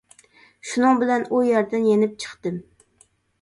شۇنىڭ بىلەن ئۇ يەردىن يېنىپ چىقتىم.